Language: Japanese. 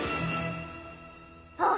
あっ！